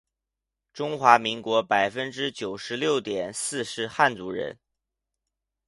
中华民国百分之九十六点四是汉族人